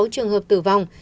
ba mươi sáu trường hợp tử vong